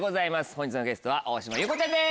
本日のゲストは大島優子ちゃんです。